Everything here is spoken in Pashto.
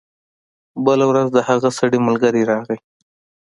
بله ورځ د هغه سړي ملګری راغی.